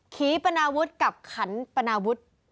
ขีปนาวุฒิกับขันปนาวุฒิ